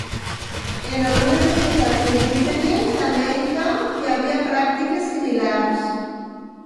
En algunes societats indígenes d'Amèrica hi havia pràctiques similars.